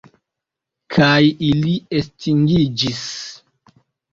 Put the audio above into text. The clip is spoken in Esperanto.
Kaj ili estingiĝis.